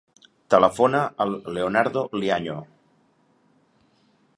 Telefona al Leonardo Liaño.